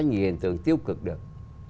những hiện tượng tiêu cực được